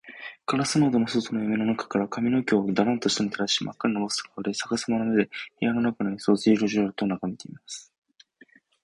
ガラス窓の外のやみの中から、髪かみの毛をダランと下にたらし、まっかにのぼせた顔で、さかさまの目で、部屋の中のようすをジロジロとながめています。